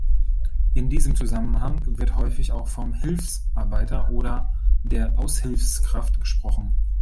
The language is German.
In diesem Zusammenhang wird häufig auch vom "Hilfsarbeiter" oder der "Aushilfskraft" gesprochen.